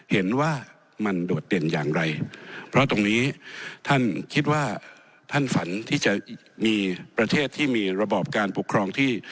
เห็นว่ามันโดดเด่นอย่างไรเพราะตรงนี้ท่านคิดว่าท่านฝันที่จะมีประเทศที่มีระบอบการปกครองที่